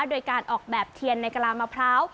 โดยการออกแบบเทียนในกลามะพร้าว